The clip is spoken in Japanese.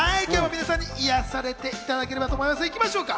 今日も皆さんに癒やされていただければと思います。